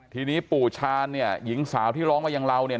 ทีนี้ปู่ชาญเนี่ยหญิงสาวที่ร้องมาอย่างเราเนี่ย